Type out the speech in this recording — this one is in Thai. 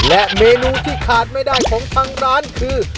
และเมนูที่ขาดไม่ได้ของทางร้านคือ